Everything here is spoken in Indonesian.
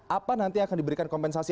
apa nanti akan diberikan kompensasi